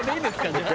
じゃあ。